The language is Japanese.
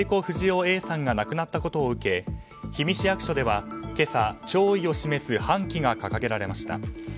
不二雄Ａさんが亡くなったことを受け氷見市役所では今朝弔意を示す半旗が掲げられました。